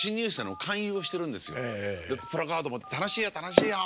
プラカード持って「楽しいよ楽しいよ！